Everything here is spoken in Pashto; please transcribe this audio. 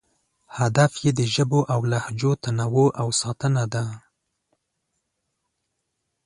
هدف یې د ژبو او لهجو تنوع او ساتنه ده.